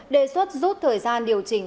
đề xuất rút thời gian điều chỉnh